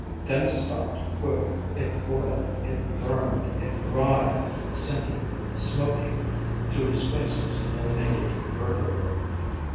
Then it stopped, quivering. It boiled, it burned, it writhed, sinking, smoking through the spaces in the naked girder work.